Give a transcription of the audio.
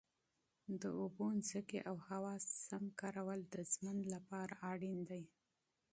د اوبو، ځمکې او هوا سم استعمال د ژوند لپاره اړین دی.